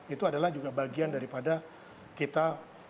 itu adalah juga bagian daripada kita